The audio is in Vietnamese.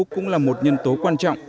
cũng là một nhân tố quan trọng